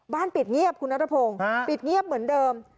ปิดเงียบคุณนัทพงศ์ปิดเงียบเหมือนเดิม